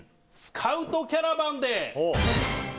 「スカウトキャラバンで」